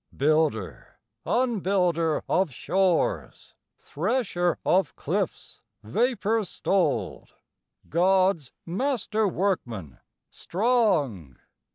III. Builder, unbuilder of shores, Thresher of cliffs vapor stoled, God's masterworkman strong!